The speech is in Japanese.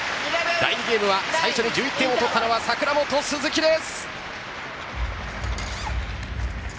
第２ゲームは最初に１１点を取ったのは櫻本・鈴木です。